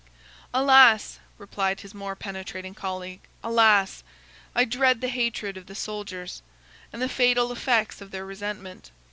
"Alas!" replied his more penetrating colleague—"alas! I dread the hatred of the soldiers, and the fatal effects of their resentment."